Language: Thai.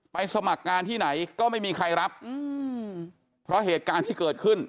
สมัครงานที่ไหนก็ไม่มีใครรับอืมเพราะเหตุการณ์ที่เกิดขึ้น